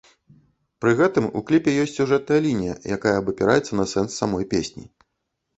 Пры гэтым у кліпе ёсць сюжэтная лінія, якая абапіраецца на сэнс самой песні.